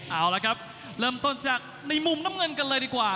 เอาละครับเริ่มต้นจากในมุมน้ำเงินกันเลยดีกว่า